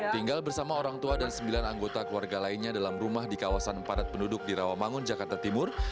tinggal bersama orang tua dan sembilan anggota keluarga lainnya dalam rumah di kawasan padat penduduk di rawamangun jakarta timur